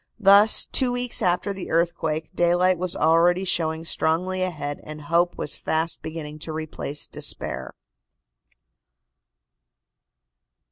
Thus, two weeks after the earthquake, daylight was already showing strongly ahead and hope was fast beginning to replace despair.